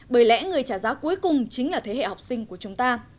bởi lẽ người trả giá cuối cùng chính là thế hệ học sinh của chúng ta